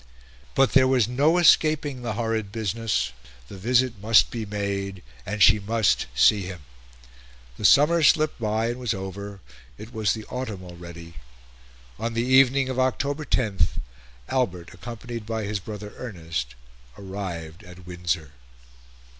But there was no escaping the horrid business; the visit must be made, and she must see him. The summer slipped by and was over; it was the autumn already; on the evening of October 10 Albert, accompanied by his brother Ernest, arrived at Windsor.